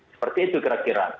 seperti itu kira kira